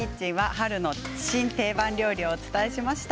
春の新定番料理をお伝えしました。